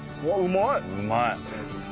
うまい！